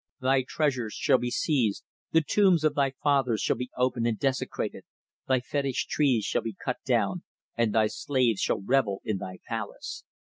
Thy treasures shall be seized, the tombs of thy fathers shall be opened and desecrated, thy fetish trees shall be cut down and thy slaves shall revel in thy palace.